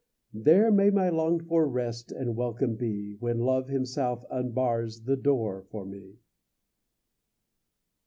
There may my longed for rest And welcome be, When Love himself unbars The door for me!